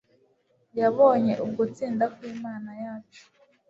yabonye ugutsinda kw’Imana yacu